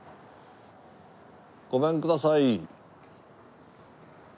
ごめんください！